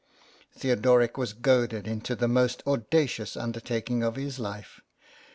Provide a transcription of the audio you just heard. Theodoric was goaded into the most audacious under taking of his life.